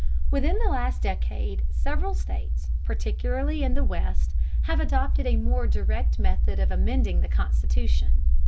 Within the last decade several states, particularly in the West, have adopted a more direct method of amending the constitution.